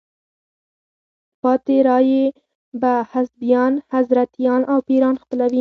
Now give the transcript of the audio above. پاتې رایې به حزبیان، حضرتیان او پیران خپلوي.